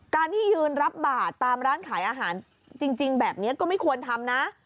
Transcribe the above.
การที่ยืนรับบาทตามร้านขายอาหารจริงแบบนี้ก็ไม่ควรทำนะ